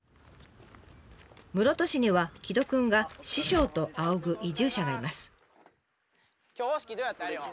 室戸市には城戸くんが師匠と仰ぐ移住者がいます。